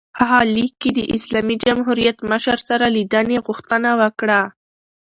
هغه لیک کې د اسلامي جمهوریت مشر سره لیدنې غوښتنه وکړه.